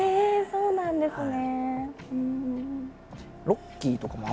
そうなんですね。